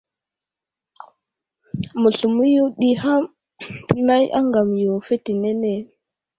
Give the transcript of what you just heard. Məsləmo yo ɗi ham tənay aŋgam yo fetenene.